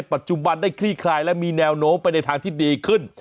ปัจจุบันได้คลี่คลายและมีแนวโน้มไปในทางที่ดีขึ้น